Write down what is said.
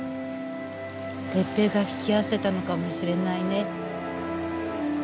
哲平が引き合わせたのかもしれないね。